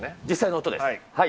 実際の音です。